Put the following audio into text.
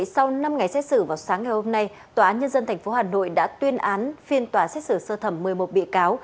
sau năm ngày xét xử vào sáng ngày hôm nay tòa án nhân dân tp hà nội đã tuyên án phiên tòa xét xử sơ thẩm một mươi một bị cáo